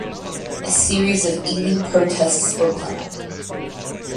A series of evening protests were planned.